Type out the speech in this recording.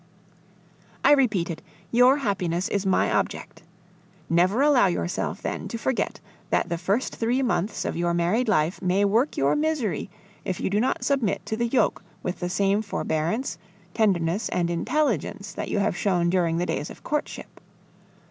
"I repeat it, your happiness is my object. Never allow yourself, then, to forget that the first three months of your married life may work your misery if you do not submit to the yoke with the same forbearance, tenderness, and intelligence that you have shown during the days of courtship.